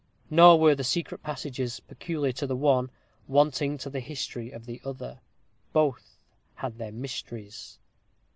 Nor were the secret passages, peculiar to the one, wanting to the history of the other. Both had their mysteries.